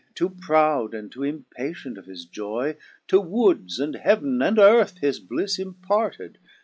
Too proud, and too impatient of his joy. To woods, and heav'n, and earth, his blifle imparted.